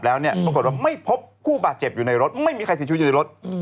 ปรากฏว่าไม่พบคู่บาทเจ็บอยู่ในรถไม่มีใครซิจุยอยู่ในรถ